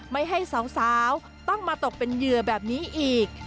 ไม่ให้สาวต้องมาตกเป็นเหยื่อแบบนี้อีก